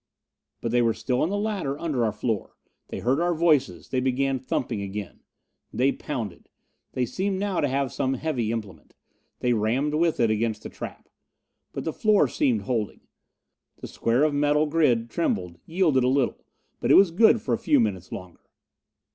But they were still on the ladder under our floor. They heard our voices; they began thumping again. Then pounding. They seemed now to have some heavy implement. They rammed with it against the trap. But the floor seemed holding. The square of metal grid trembled, yielded a little. But it was good for a few minutes longer.